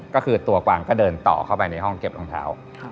ก็คือตัวกวางก็เดินต่อเข้าไปในห้องเก็บรองเท้า